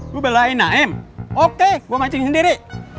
lu belain lah em oke gua mancing sendiri